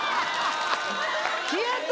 消えた！